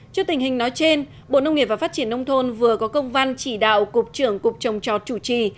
trước tình hình nói trên bộ nông nghiệp và phát triển nông thôn vừa có công văn chỉ đạo cục trưởng cục trồng trọt chủ trì